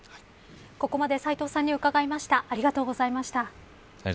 ここまで斎藤さんに伺いました。